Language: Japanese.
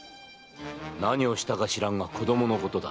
何をしたか知らんが子供のことだ。